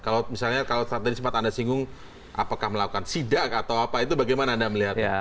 kalau misalnya kalau tadi sempat anda singgung apakah melakukan sidak atau apa itu bagaimana anda melihatnya